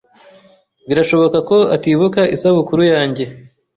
Birashoboka ko atibuka isabukuru yanjye.